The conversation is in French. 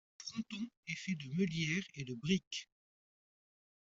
Le fronton est fait de meulière et de briques.